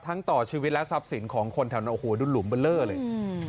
ทั้งต่อชีวิตและทรัพย์สินของคนแถวน้ำหัวดุลุมเบลอเลย